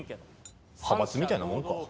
派閥みたいなもんか。